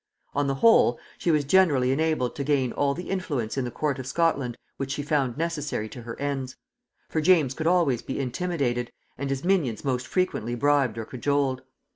On the whole, she was generally enabled to gain all the influence in the court of Scotland which she found necessary to her ends; for James could always be intimidated, and his minions most frequently bribed or cajoled.